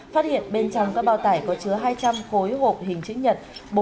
phát hiện bên trong các bao tải có chứa hai trăm linh khối hộp hình chữ nhật